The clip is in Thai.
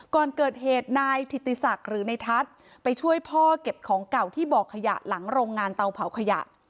ก่อนเกิดเหตุนายถิติศักดิ์หรือในทัศน์ไปช่วยพ่อเก็บของเก่าที่บ่อขยะหลังโรงงานเตาเผาขยะ